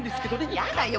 やだよ！